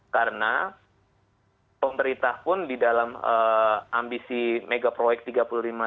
karena pemerintah pun di dalam ambisi megaproyek tiga puluh lima mw dari pltu saja